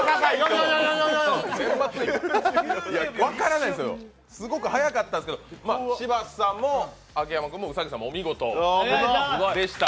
分からないんですよ、すごく早かったんですけど柴田さんも秋山君も、兎さんもお見事でした。